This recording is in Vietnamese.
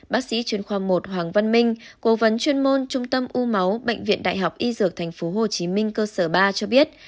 bác sĩ chuyên khoa một hoàng văn minh cố vấn chuyên môn trung tâm u máu bệnh viện đại học y dược tp hcm cơ sở ba cho biết